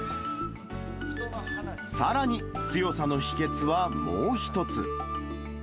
さらに、強さの秘けつはもう一つ。